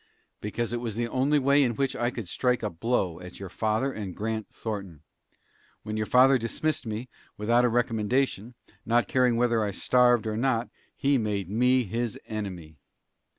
"Because it was the only way in which I could strike a blow at your father and Grant Thornton. When your father dismissed me, without a recommendation, not caring whether I starved or not, he made me his enemy."